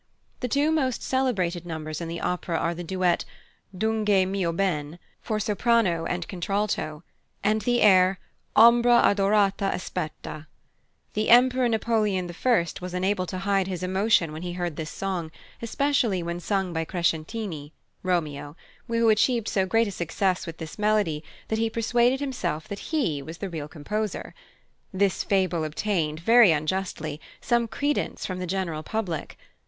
The two most celebrated numbers in the opera are the duet "Dunque mio ben" for soprano and contralto, and the air "Ombra adorata aspetta." The Emperor Napoleon I. was unable to hide his emotion when he heard this song, especially when sung by Crescentini (Romeo); who achieved so great a success with this melody that he persuaded himself that he was the real composer. This fable obtained, very unjustly, some credence from the general public.